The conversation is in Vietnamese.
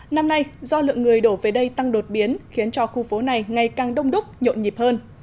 năm nay do lượng người đổ về đây tăng đột biến khiến cho khu phố này ngày càng đông đúc nhộn nhịp hơn